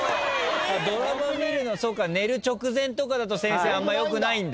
ドラマ見るの寝る直前とかだとあんま良くないんだ。